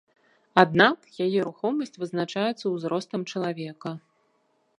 Аднак, яе рухомасць вызначаецца ўзростам чалавека.